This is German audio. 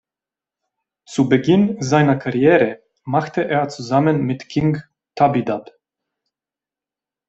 Zu Beginn seiner Karriere machte er zusammen mit King Tubby Dub.